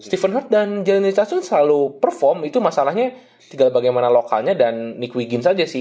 stephen hart dan jalen richardson selalu perform itu masalahnya tinggal bagaimana lokalnya dan nick wiggin saja sih